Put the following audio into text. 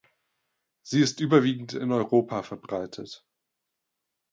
Sie ist überwiegend in Europa verbreitet.